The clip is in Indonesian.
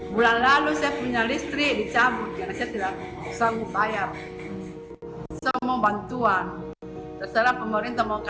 bulan lalu saya punya listrik dicabut karena saya tidak